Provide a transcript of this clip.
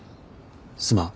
すまん。